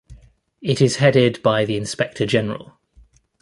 It is headed by the Inspector General.